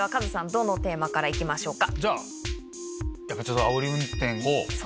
どのテーマからいきましょうか。